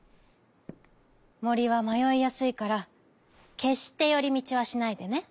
もりはまよいやすいからけっしてよりみちはしないでね。